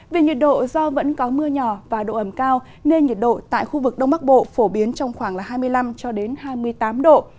về nhiệt độ do vẫn có mưa nhỏ và độ ẩm cao nên nhiệt độ tại khu vực đông bắc bộ phổ biến trong khoảng hai mươi năm hai mươi tám độ